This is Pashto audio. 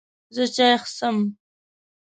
زه چای څښم.